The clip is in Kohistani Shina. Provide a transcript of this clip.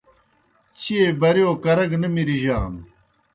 چیئے بِریؤ کرہ گہ نہ مِرِجانوْ